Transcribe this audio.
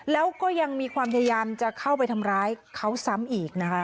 แล้วก็ยังมีความพยายามจะเข้าไปทำร้ายเขาซ้ำอีกนะคะ